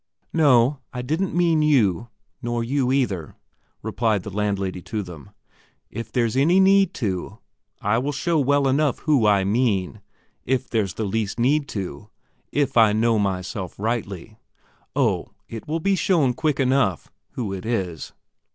"No, I didn't mean you nor you either," replied the landlady to them. "If there's any need to, I will show well enough who I mean, if there's the least need to, if I know myself rightly. Oh, it will be shown quick enough who it is...."